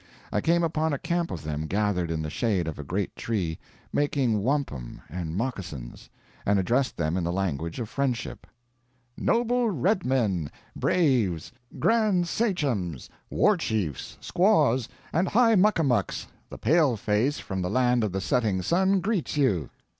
I came upon a camp of them gathered in the shade of a great tree, making wampum and moccasins, and addressed them in the language of friendship: "Noble Red Men, Braves, Grand Sachems, War Chiefs, Squaws, and High Muck a Mucks, the paleface from the land of the setting sun greets you!